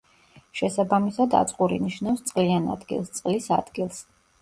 შესაბამისად, აწყური ნიშნავს წყლიან ადგილს, წყლის ადგილს.